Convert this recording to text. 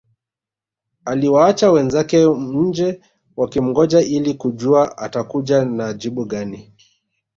Aliwaacha wenzake nje wakimngoja ili kujua atakuja na jibu gani